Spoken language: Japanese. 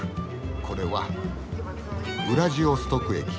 これは「ウラジオストク駅。